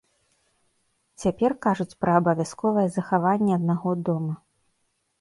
Цяпер кажуць пра абавязковае захаванне аднаго дома.